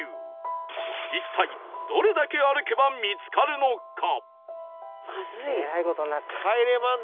一体どれだけ歩けば見つかるのか？